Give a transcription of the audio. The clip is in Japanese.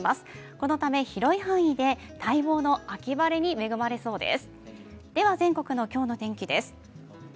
このため広い範囲で待望の秋晴れに恵まれそうです。